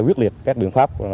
quyết liệt các biện pháp